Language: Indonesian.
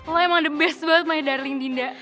lo emang the best banget main darling dinda